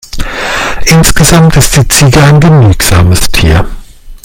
Insgesamt ist die Ziege ein genügsames Tier.